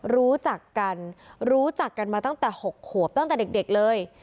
รู้จักกันรู้จักกันมาตั้งแต่๖ขวบตั้งแต่เด็กเลย